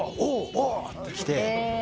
「おお！」ってきて。